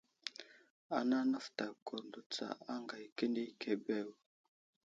Ana nəfətay kurndo tsa aŋgay kəni keɓew.